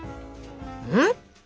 うん？